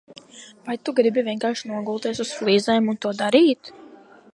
Vai tu gribi vienkārši nogulties uz flīzēm un to darīt?